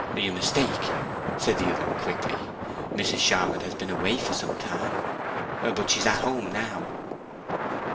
"You mistake," said the other, quickly. "Mrs. Charmond has been away for some time, but she's at home now."